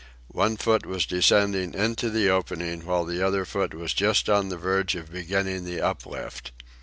One foot was descending into the opening, while the other foot was just on the verge of beginning the uplift.